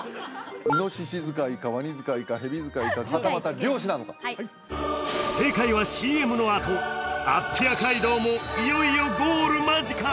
イノシシ使いかワニ使いかヘビ使いかはたまた漁師なのか正解はＣＭのあとアッピア街道もいよいよゴール間近！